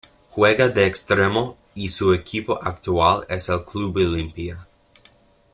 Juega de Extremo y su equipo actual es el Club Olimpia.